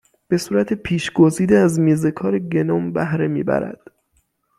به صورت پیشگزیده از میزکار گنوم بهره میبرد